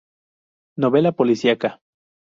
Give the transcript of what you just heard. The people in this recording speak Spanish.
Novela policíaca.